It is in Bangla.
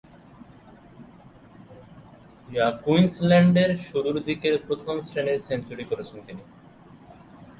কুইন্সল্যান্ডের শুরুর দিকের প্রথম-শ্রেণীর সেঞ্চুরি করেছেন তিনি।